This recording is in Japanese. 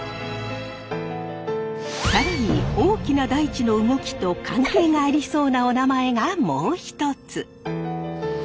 大きな大地の動きと関係がありそうなおなまえがもう一つ。